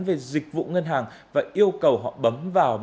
về dịch vụ ngân hàng và yêu cầu họ bấm vào